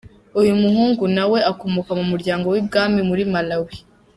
Uyu muhungu nawe akomoka mu muryango w’ibwami muri Malawi.